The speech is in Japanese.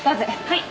はい。